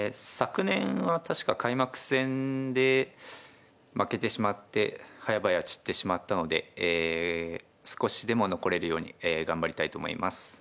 昨年は確か開幕戦で負けてしまってはやばや散ってしまったので少しでも残れるように頑張りたいと思います。